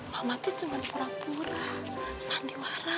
mama tuh cuma pura pura sandiwara